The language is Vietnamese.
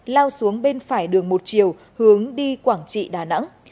lao xuống bên phải đường một chiều hướng đi quảng trị đà nẵng